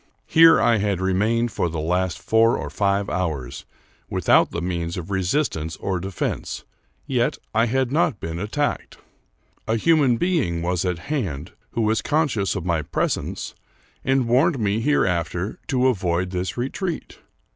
Here I had remained for the last four or five hours, with out the means of resistance or defense; yet I had not been attacked. A human being was at hand, who was conscious of my presence, and warned me hereafter to avoid this re treat.